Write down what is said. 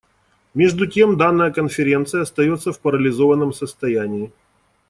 Между тем данная Конференция остается в парализованном состоянии.